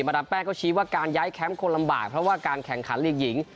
ดามแป้งก็ชี้ว่าการย้ายแคมป์คนลำบากเพราะว่าการแข่งขันลีกหญิง